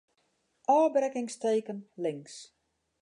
Ofbrekkingsteken links.